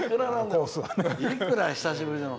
いくら久しぶりでも。